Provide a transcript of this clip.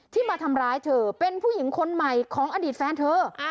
ที่มาทำร้ายเธอเป็นผู้หญิงคนใหม่ของอดีตแฟนเธอ